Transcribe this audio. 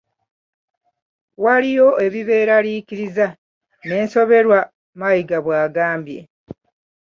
"Waliyo ebibeeraliikiriza n'ensoberwa," Mayiga bwagambye.